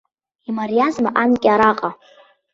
Имариазма анкьа араҟа.